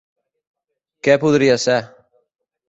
Què podria ser?